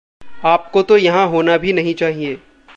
आपको तो यहाँ होना भी नहीं चाहिए।